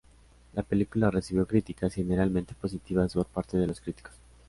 La película recibió críticas generalmente positivas por parte de los críticos.